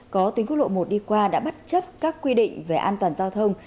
có tuyến quốc lộ một đi qua đã bất chấp các quy định về an toàn giao thông